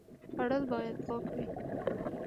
خوړل باید پاک وي